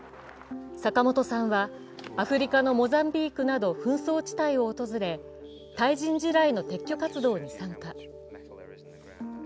坂本さんはアフリカのモザンビークなど紛争地帯を訪れ対人地雷の撤去活動に参加。